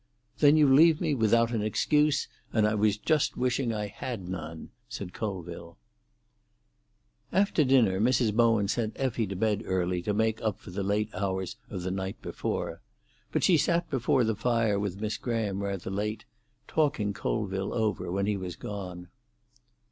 "Then you leave me without an excuse, and I was just wishing I had none," said Colville. After dinner Mrs. Bowen sent Effie to bed early to make up for the late hours of the night before, but she sat before the fire with Miss Graham rather late, talking Colville over, when he was gone.